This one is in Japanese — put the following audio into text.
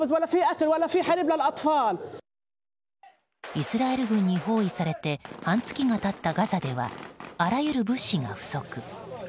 イスラエル軍に包囲されて半月が経ったガザではあらゆる物資が不足。